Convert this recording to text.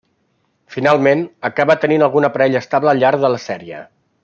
Finalment, acaba tenint alguna parella estable al llarg de la sèrie.